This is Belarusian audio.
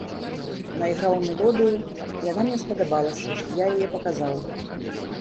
Найграў мелодыю, яна мне спадабалася, я яе паказаў.